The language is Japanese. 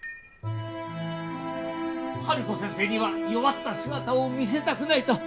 ハルコ先生には弱った姿を見せたくないと。